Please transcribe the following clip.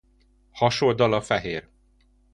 Hasoldala fehér.